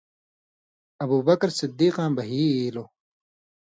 ابوبکرؓصدیقاں بھئ اِیلو۔